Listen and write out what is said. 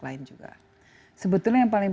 lain juga sebetulnya yang paling